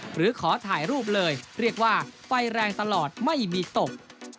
หรือขอถ่ายรูปเลยเรียกว่าไฟแรงตลอดไม่มีตก